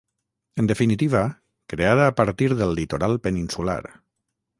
En definitiva, creada a partir del litoral peninsular